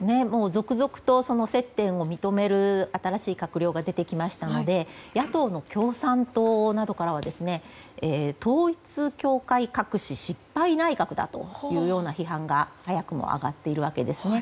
続々と接点を認める新しい閣僚が出てきましたので野党の共産党などからは統一教会隠し失敗内閣だという批判が早くも上がっています。